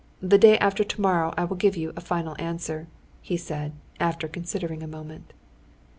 The day after tomorrow I will give you a final answer," he said, after considering a moment.